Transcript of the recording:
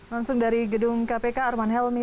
langsung dari gedung kpk arman helmi